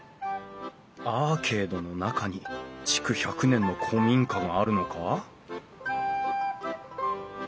アーケードの中に築１００年の古民家があるのか？